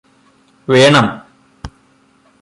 വേണം